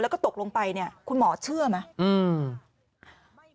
แล้วก็ตกลงไปเนี่ยคุณหมอเชื่อไหม